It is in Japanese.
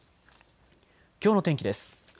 きょうの天気です。